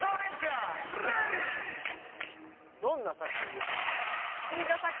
どんな作戦でいきますか？